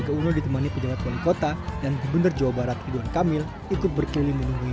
mau ditemani pejabat wali kota dan gubernur jawa barat ridwan kamil ikut berkeliling menunggu